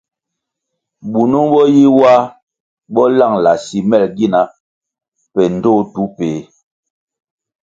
Bunung bo yi wa bo langʼla simel gina pe ndtoh tu peh.